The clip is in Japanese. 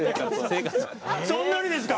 そんなにですか？